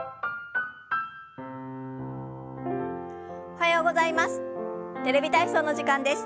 おはようございます。